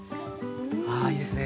あいいですね